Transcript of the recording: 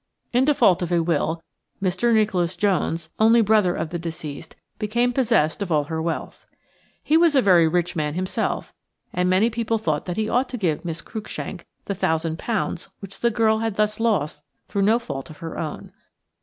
In default of a will, Mr. Nicholas Jones, only brother of the deceased, became possessed of all her wealth. He was a very rich man himself, and many people thought that he ought to give Miss Cruikshank the £1,000 which the poor girl had thus lost through no fault of her own.